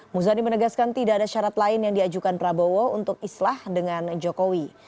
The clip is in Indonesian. muzani menegaskan tidak ada syarat lain yang diajukan prabowo untuk islah dengan jokowi